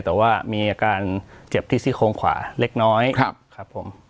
แต่ว่ามีอาการเจ็บที่ซี่โครงขวาเล็กน้อยครับผม